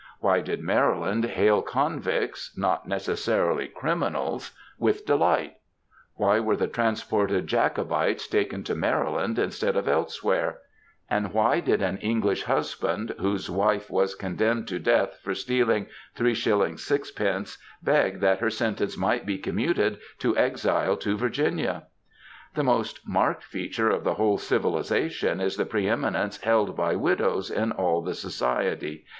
Why did Maryland hail convicts ŌĆö not necessarily criminals ŌĆö with delight ? Why were the transported Jacobites taken to Maryland instead of else AMERICAN WOMEN 241 where ? And why did an English husband, whose wife was condemned to death for stealing 8s. 6d., beg that her sentence might be commuted to exile to Virginia ? The most marked feature of the whole civilisation is the pre eminence held by widows in all the society.